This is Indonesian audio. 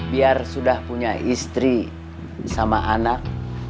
biar sudah punya istri sama anak